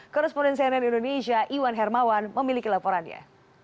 koresponden cnn indonesia iwan hermawan memiliki laporannya